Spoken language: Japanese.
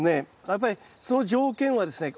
やっぱりその条件はですね